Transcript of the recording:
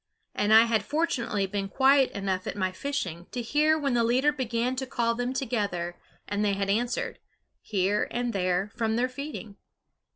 And I had fortunately been quiet enough at my fishing to hear when the leader began to call them together and they had answered, here and there, from their feeding.